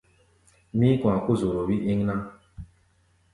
Mí̧í̧-kɔ̧a̧ kó zoro wí íŋ ná.